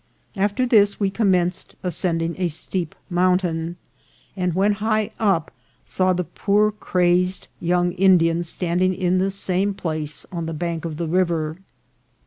After this we commenced ascending a steep mountain, and when high up saw the poor crazed young Indian standing in the same place on the bank of the river.